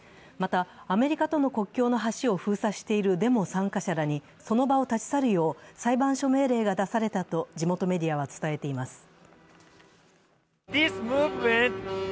また、アメリカとの国境の橋を封鎖しているデモ参加者らにその場を立ち去るよう裁判所命令が出されたと地元メディアは伝えています。